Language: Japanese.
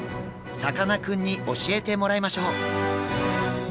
さかなクンに教えてもらいましょう。